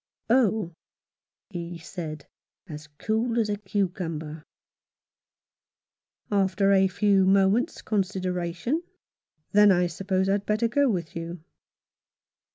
" Oh," he said, as cool as a cucumber, after a few moments' consideration, "then I suppose I'd better go with you."